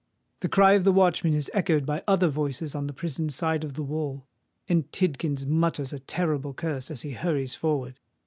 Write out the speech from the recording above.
The cry of the watchman is echoed by other voices on the prison side of the wall; and Tidkins mutters a terrible curse as he hurries forward.